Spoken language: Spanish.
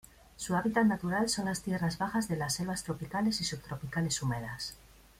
Su hábitat natural son las tierras bajas de las selvas tropicales y subtropicales húmedas.